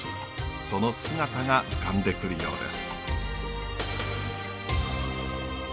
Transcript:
その姿が浮かんでくるようです。